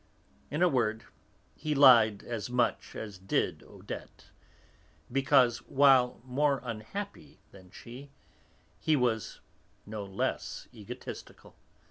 In a word, he lied as much as did Odette, because, while more unhappy than she, he was no less egotistical.